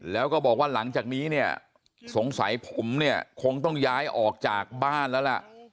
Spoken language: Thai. แล้วก็บอกว่าหลังจากนี้เนี่ยสงสัยผมเนี่ยคงต้องย้ายออกจากบ้านแล้วล่ะ